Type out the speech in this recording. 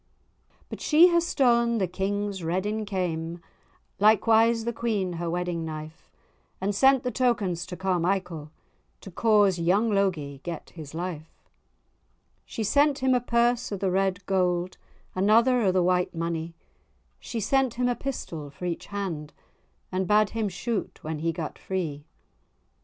But she has stown[#] the King's redding kaim,[#] Likewise the Queen her wedding knife, And sent the tokens to Carmichael, To cause young Logie get his life. [#] Stolen. [#] Dressing comb. She sent him a purse of the red gowd, Another o' the white monie; She sent him a pistol for each hand, And bade him shoot when he gat free.